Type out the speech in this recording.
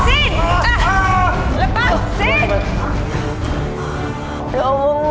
siapa kamu lepas ini buku